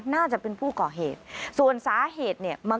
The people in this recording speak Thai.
น่าจะเป็นผู้ก่อเหตุส่วนสาเหตุเนี่ย